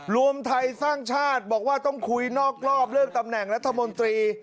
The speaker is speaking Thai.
รวมไทยสร้างชาติบอกว่าต้องคุยนอกรอบเรื่องตำแหน่งรัฐมนตรี